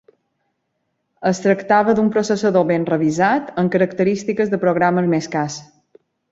Es tractava d'un processador ben revisat amb característiques de programes més cars.